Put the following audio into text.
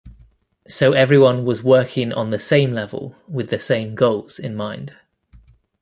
So everyone was working on the same level with the same goals in mind.